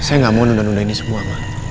saya gak mau nunda nunda ini semua maaf